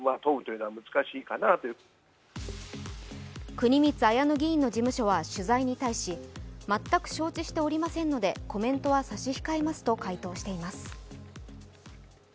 国光文乃議員の事務所は取材に対し、全く承知しておりませんので、コメントは差し控えますと回答しています。